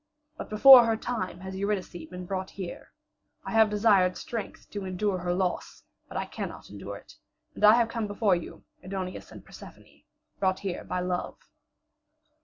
But before her time has Eurydice been brought here. I have desired strength to endure her loss, but I cannot endure it. And I come before you, Aidoneus and Persephone, brought here by Love."